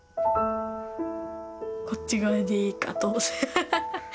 こっち側でいいかとハハハッ。